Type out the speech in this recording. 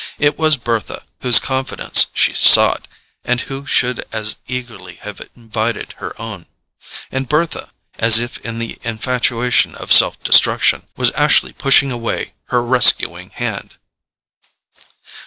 It was Bertha whose confidence she sought, and who should as eagerly have invited her own; and Bertha, as if in the infatuation of self destruction, was actually pushing away her rescuing hand.